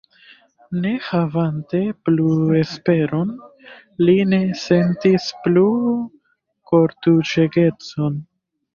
Ne havante plu esperon, li ne sentis plu kortuŝegecon.